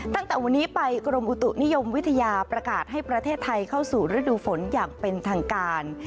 ตั้งแต่วันนี้ไปกรมอุตุนิยมวิทยาประกาศให้ประเทศไทยเข้าสู่ฤดูฝนอย่างเป็นทางการ